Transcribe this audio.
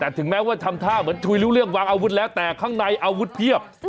แต่ถึงแม้ว่าทำท่าเหมือนคุยรู้เรื่องวางอาวุธแล้วแต่ข้างในอาวุธเพียบ